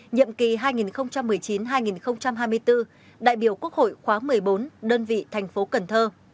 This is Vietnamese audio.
nhiệm kỳ hai nghìn một mươi chín hai nghìn hai mươi bốn đại biểu quốc hội khóa một mươi bốn đơn vị thành phố cần thơ